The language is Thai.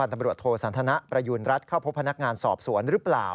ตำรวจโทสันทนะประยูณรัฐเข้าพบพนักงานสอบสวนหรือเปล่า